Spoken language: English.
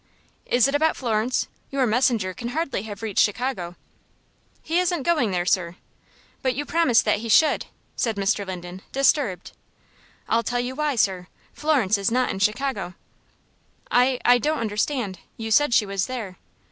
"Is it about Florence? Your messenger can hardly have reached Chicago." "He isn't going there, sir." "But you promised that he should," said Mr. Linden, disturbed. "I'll tell you why, sir. Florence is not in Chicago." "I I don't understand. You said she was there."